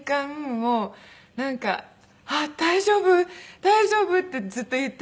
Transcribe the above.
もうなんか「あっ大丈夫？大丈夫？」ってずっと言ってて。